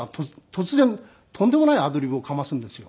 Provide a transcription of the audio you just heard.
突然とんでもないアドリブをかますんですよ。